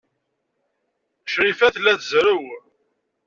Crifa tella tzerrew.